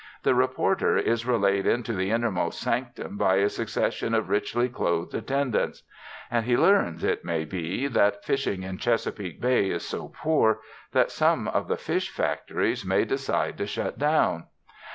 The reporter is relayed into the innermost sanctum by a succession of richly clothed attendants. And he learns, it may be, that fishing in Chesapeake Bay is so poor that some of the "fish factories" may decide to shut down.